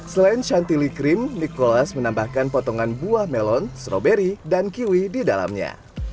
selain shantily cream nikolas menambahkan potongan buah melon stroberi dan kiwi di dalamnya